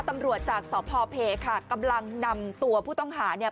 ตำรวจจากสพเพค่ะกำลังนำตัวผู้ต้องหาเนี่ย